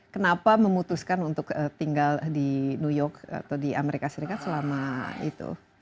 kenapa memutuskan untuk tinggal di new york atau di amerika serikat selama itu